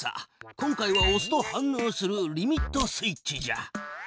今回はおすと反のうするリミットスイッチじゃ。